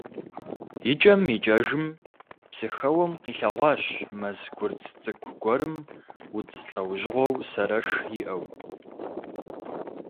ИкӀэм икӀэжым, Псыхэуэм къилъэгъуащ мэз гъурц цӀыкӀу гуэрым удз лӀэужьыгъуэу сэрэш иӀэу.